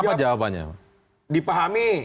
apa jawabannya dipahami